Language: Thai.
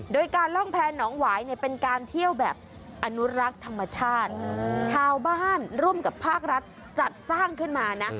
โดยการล่องแพรหนองหวายเนี่ยเป็นการเที่ยวแบบอนุรักษ์ธรรมชาติชาวบ้านร่วมกับภาครัฐจัดสร้างขึ้นมานะ